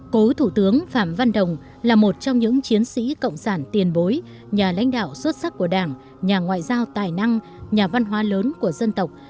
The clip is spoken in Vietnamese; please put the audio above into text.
cố thủ tướng phạm văn đồng là một trong những chiến sĩ cộng sản tiền bối nhà lãnh đạo xuất sắc của đảng nhà ngoại giao tài năng nhà văn hóa lớn của dân tộc